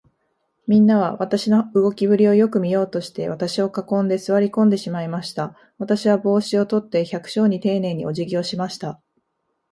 みんなは、私の動きぶりをよく見ようとして、私を囲んで、坐り込んでしまいました。私は帽子を取って、百姓にていねいに、おじぎをしました。